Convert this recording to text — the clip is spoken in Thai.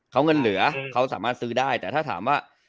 เขาเงินเหลือเขาสามารถซื้อได้แต่ถ้าถามว่า